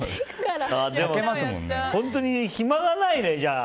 本当に暇がないね、じゃあ。